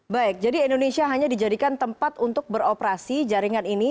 baik jadi indonesia hanya dijadikan tempat untuk beroperasi jaringan ini